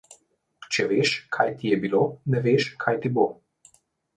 Če veš, kaj ti je bilo, ne veš, kaj ti bo.